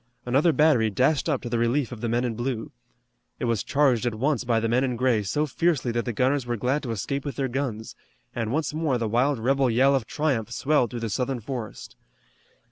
Another battery dashed up to the relief of the men in blue. It was charged at once by the men in gray so fiercely that the gunners were glad to escape with their guns, and once more the wild rebel yell of triumph swelled through the southern forest.